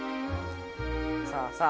さあさあ。